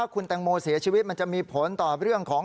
คุณแตงโมเสียชีวิตมันจะมีผลต่อเรื่องของ